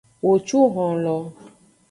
Wo cu honlo.